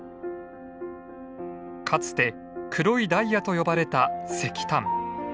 かつて黒いダイヤと呼ばれた石炭。